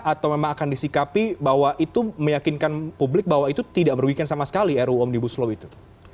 atau memang akan disikapi bahwa itu meyakinkan publik bahwa itu tidak merugikan sama sekali ru omnibus law itu